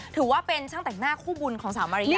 ถือว่าเป็นช่างแต่งหน้าคู่บุญของสาวมาริยา